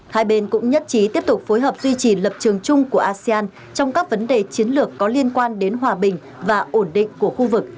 hai bên cũng nhất trí tiếp tục phối hợp duy trì lập trường chung của asean trong các vấn đề chiến lược có liên quan đến hòa bình và ổn định của khu vực